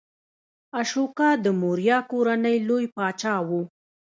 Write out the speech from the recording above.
اشوکا د موریا کورنۍ لوی پاچا و.